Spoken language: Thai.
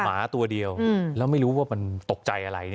ค่ะหมาตัวเดียวอืมแล้วไม่รู้ว่ามันตกใจอะไรเนี่ย